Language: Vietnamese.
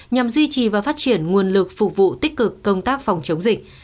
nhằm duy trì và phát triển nguồn lực phục vụ tích cực công tác phòng chống dịch